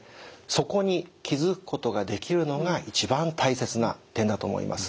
そこに気づくことができるのが一番大切な点だと思います。